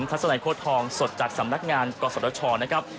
ทัศนีโคตรทองสดจากสำนักงานกฎศรชน์นะครับ